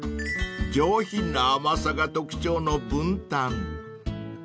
［上品な甘さが特徴のブンタン］